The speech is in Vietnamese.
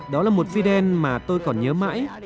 đó là một fidel mà tôi còn nhớ mãi